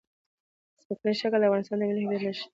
ځمکنی شکل د افغانستان د ملي هویت نښه ده.